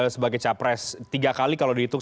sebagai capres tiga kali kalau dihitung